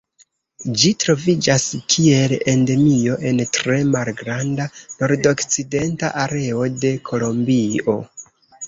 Ĝi troviĝas kiel endemio en tre malgranda nordokcidenta areo de Kolombio.